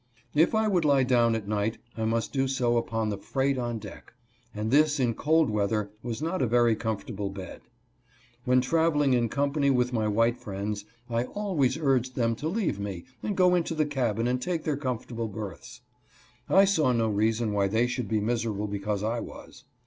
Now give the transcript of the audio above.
If I would lie down at night I must do so upon the freight on deck, and this in cold weather was not a very com fortable bed. When traveling in company with my white friends I always urged them to leave me and go into the cabin and take their comfortable births. I saw no reason why they should be miserable because I was.